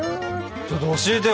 ちょっと教えてよ